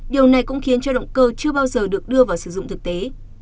điều này cũng khiến cho động cơ chưa bao giờ được đưa vào sử dụng thực tế